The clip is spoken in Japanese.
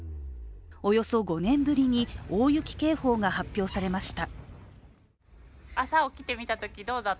およそ５年ぶりに大雪警報が発表されました。